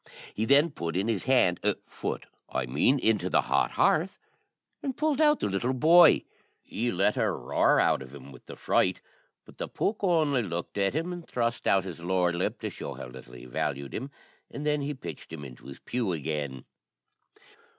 He then put in his hand foot, I mean into the hot hearth, and pulled out the little boy. He let a roar out of him with the fright, but the pooka only looked at him, and thrust out his lower lip to show how little he valued him, and then he pitched him into his pew again.